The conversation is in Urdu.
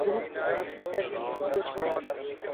باقی سرزمینوں کو چھوڑیں۔